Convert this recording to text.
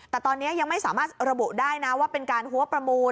แต่ตอนนี้ยังไม่สามารถระบุได้นะว่าเป็นการหัวประมูล